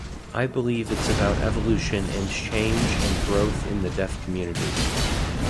I believe it's about evolution and change and growth in the deaf community.